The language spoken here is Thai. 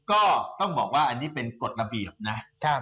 ก็ต้องบอกว่าอันนี้เป็นกฎระเบียบนะ